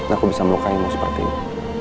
aku bisa melukaimu seperti ini